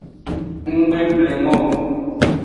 Nggbleng o.